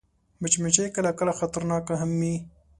مچمچۍ کله کله خطرناکه هم وي